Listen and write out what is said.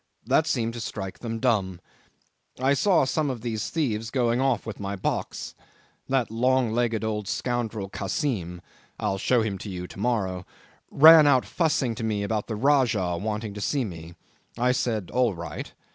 That seemed to strike them dumb. I saw some of these thieves going off with my box. That long legged old scoundrel Kassim (I'll show him to you to morrow) ran out fussing to me about the Rajah wanting to see me. I said, 'All right.